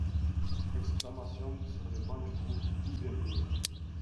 (Exclamations sur les bancs du groupe UMP.